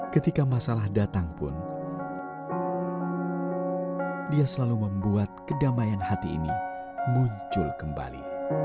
ketika masalah datang pun dia selalu membuat kedamaian hati ini muncul kembali